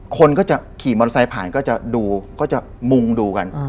คนก็จะขี่มอเตอร์ไซค์ผ่านก็จะดูก็จะมุงดูกัน